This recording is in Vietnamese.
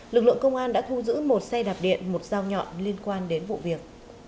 lực lượng công an đã thu giữ một xe đạp điện một dao nhọn liên quan đến vụ việc